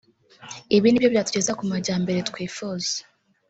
ibi nibyo byatugeza ku majyambere twifuza